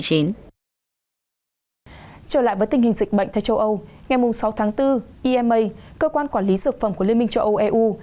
trở lại với tình hình dịch bệnh tại châu âu ngày sáu tháng bốn ima cơ quan quản lý dược phẩm của liên minh châu âu eu